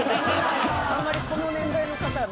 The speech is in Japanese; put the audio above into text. あんまりこの年代の方の。